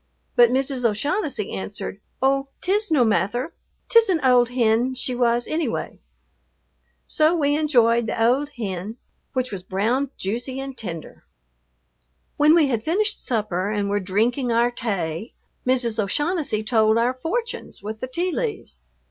But Mrs. O'Shaughnessy answered, "Oh, 't is no mather, 't is an ould hin she was annyway." So we enjoyed the "ould hin," which was brown, juicy, and tender. When we had finished supper and were drinking our "tay," Mrs. O'Shaughnessy told our fortunes with the tea leaves.